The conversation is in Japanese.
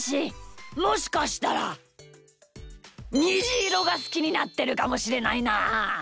もしかしたらにじいろがすきになってるかもしれないなあ。